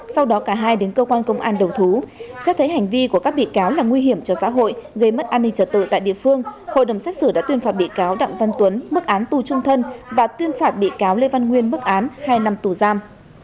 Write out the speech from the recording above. sau đó cả hai đến cơ quan công an đầu thú xét thấy hành vi của các bị cáo là nguy hiểm cho xã hội gây mất an ninh trật tự tại địa phương hội đồng xét xử đã tuyên phạt bị cáo đặng văn tuấn mức án tù trung thân và tuyên phạt bị cáo lê văn nguyên mức án hai năm tù giam